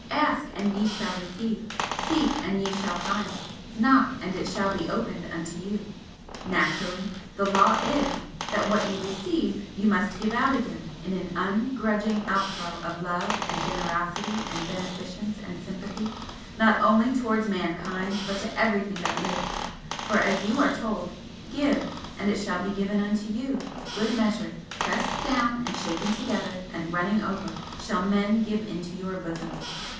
'Ask, and ye shall receive seek, and ye shall find knock, and it shall be opened unto you.' Naturally the law is, that what you receive you must give out again in an ungrudging outflow of love and generosity and beneficence and sympathy, not only towards mankind but to everything that lives for as you are told 'Give, and it shall be given unto you; good measure, pressed down and shaken together and running over, shall men give into your bosom.